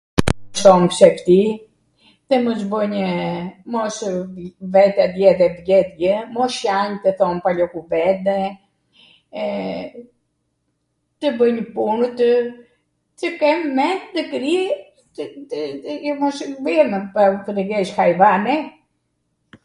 [mos] Thom psefti, mos bwnje..., mos vete atje edhe vjedh gjw. mos shanj e tw thon palokuvende, te bwnjw punwtw, tw kem ment nw kri dhe mos .... tw jesh hajvane